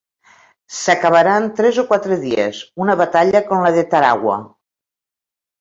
S'acabarà en tres o quatre dies – una batalla com la de Tarawa.